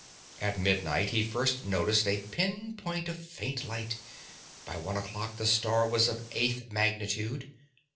At midnight he first noticed a pin point of faint light; by one o'clock the star was of eighth magnitude.